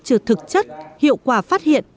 chưa thực chất hiệu quả phát hiện